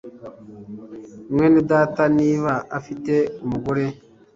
mwene data niba afite umugore